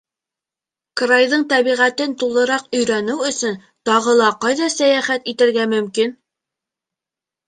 Крайҙың тәбиғәтен тулыраҡ өйрәнеү өсөн тағы ла ҡайҙа сәйәхәт итергә мөмкин?